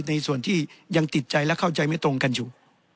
ในส่วนที่ยังติดใจและเข้าใจไม่ตรงกันอยู่